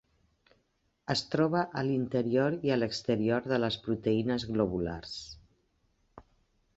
Es troba a l'interior i a l'exterior de les proteïnes globulars.